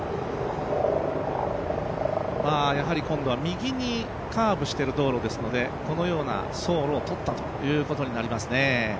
今度は右にカーブしている道路ですのでこのような走路をとったということになりますね。